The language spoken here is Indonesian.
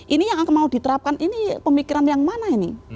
ini yang akan mau diterapkan ini pemikiran yang mana ini